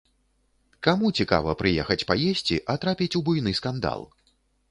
Каму цікава прыехаць паесці, а трапіць у буйны скандал?